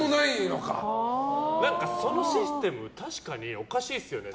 そのシステム確かに、おかしいですよね。